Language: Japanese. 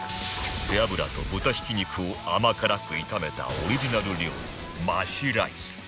背脂と豚ひき肉を甘辛く炒めたオリジナル料理マシライス